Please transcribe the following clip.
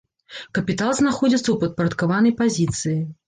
Капітал знаходзіцца ў падпарадкаванай пазіцыі.